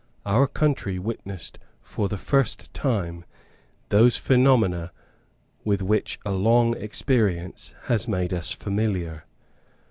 Our country witnessed for the first time those phenomena with which a long experience has made us familiar.